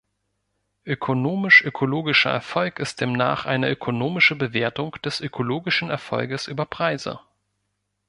Ökonomisch-ökologischer Erfolg ist demnach eine ökonomische Bewertung des ökologischen Erfolges über Preise.